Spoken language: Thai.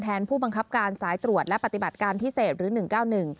แทนผู้บังคับการสายตรวจและปฏิบัติการพิเศษหรือ๑๙๑